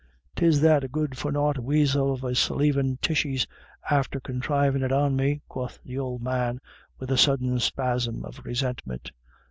Tis that good for naught weasel of a slie veen Tishy's after conthrivin' it on me," quoth the old man, with a sudden spasm of resentment.